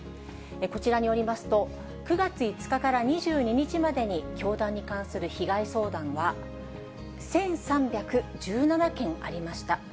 こちらによりますと、９月５日から２２日までに教団に関する被害相談は１３１７件ありました。